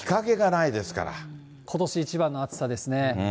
ことし一番の暑さですね。